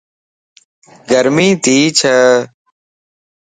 گرمي تي ڇَ